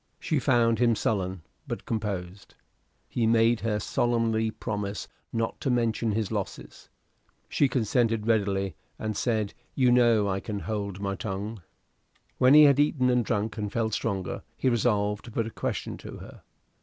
She found him sullen, but composed. He made her solemnly promise not to mention his losses. She consented readily, and said, "You know I can hold my tongue." When he had eaten and drunk, and felt stronger, he resolved to put a question to her.